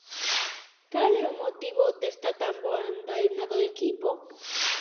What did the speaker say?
Cal é o motivo desta tan boa andaina do equipo?